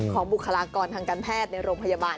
บุคลากรทางการแพทย์ในโรงพยาบาล